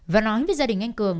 và nói với gia đình anh cường